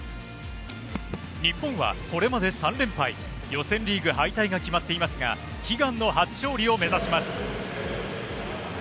日本はこれまで３連敗、予選リーグ敗退が決まってますが悲願の初勝利を目指します。